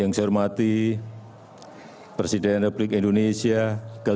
yang saya hormati presiden republik indonesia ke lima puluh